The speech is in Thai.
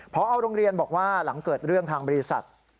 พอโรงเรียนบอกว่าหลังเกิดเรื่องทางบริษัท